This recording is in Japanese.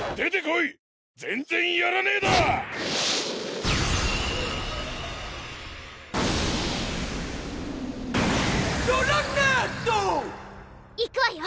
いくわよ！